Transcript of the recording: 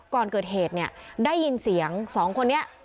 ก่อนเกิดเหตุเนี่ยได้ยินเสียงสองคนนี้